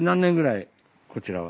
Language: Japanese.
こちらは。